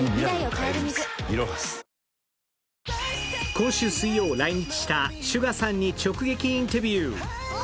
今週水曜、来日したＳＵＧＡさんに直撃インタビュー。